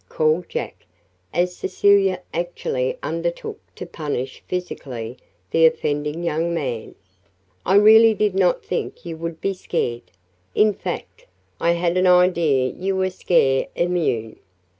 called Jack, as Cecilia actually undertook to punish physically the offending young man. "I really did not think you would be scared in fact, I had an idea you were scare immune."